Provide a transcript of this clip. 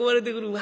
わ。